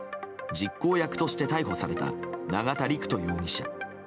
実行役として逮捕された永田陸人容疑者。